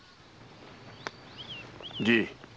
じい。